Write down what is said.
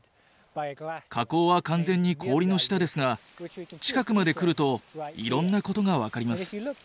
火口は完全に氷の下ですが近くまで来るといろんなことが分かります。